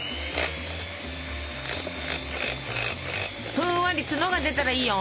ふんわり角が出たらいいよ。